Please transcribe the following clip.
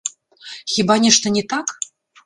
Хіба нешта не так?